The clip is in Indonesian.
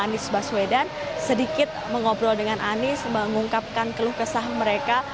anies baswedan sedikit mengobrol dengan anies mengungkapkan keluh kesah mereka